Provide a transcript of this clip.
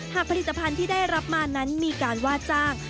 ผลิตภัณฑ์ที่ได้รับมานั้นมีการว่าจ้าง